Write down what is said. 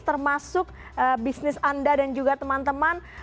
termasuk bisnis anda dan juga teman teman